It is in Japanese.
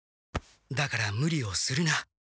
だからムリをするな。